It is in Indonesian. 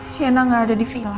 sienna gak ada di vila